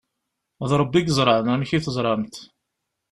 D Ṛebbi i yeẓṛan! "Amek i teẓṛamt?"